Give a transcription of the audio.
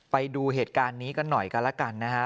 ไปดูเหตุการณ์นี้กันหน่อยกันแล้วกันนะฮะ